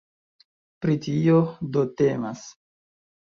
Pri tio, do, temas.